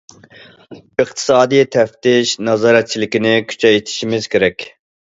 ئىقتىسادىي تەپتىش نازارەتچىلىكىنى كۈچەيتىشىمىز كېرەك.